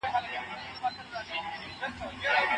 د سمارټ فون سکرین پر خوب اغېز کوي.